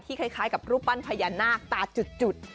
คล้ายกับรูปปั้นพญานาคตาจุด